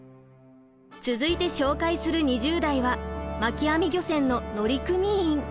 続いて紹介する２０代は巻き網漁船の乗組員。